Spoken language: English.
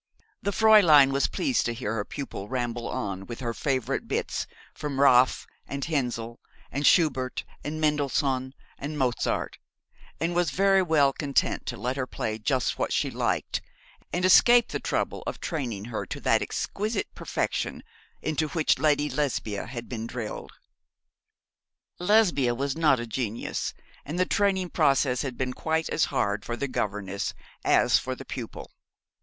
The Fräulein was pleased to hear her pupil ramble on with her favourite bits from Raff, and Hensel, and Schubert, and Mendelssohn, and Mozart, and was very well content to let her play just what she liked, and to escape the trouble of training her to that exquisite perfection into which Lady Lesbia had been drilled. Lesbia was not a genius, and the training process had been quite as hard for the governess as for the pupil.